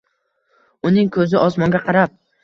Uning koʻzi osmonga qarab